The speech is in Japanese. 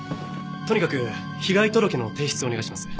とにかく被害届の提出をお願いします。